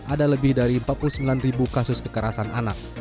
ada lebih dari empat puluh sembilan ribu kasus kekerasan anak